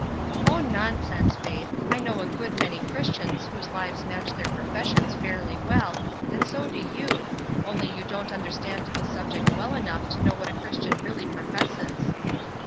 ''Oh, nonsense. Faith; I know a good many Christians whose lives match their professions fairly well, and so do you, only you don't under stand the subject well enough to know what a Christian really professes."